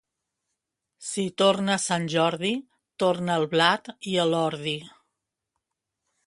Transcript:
Si torna Sant Jordi, torna el blat i l'ordi.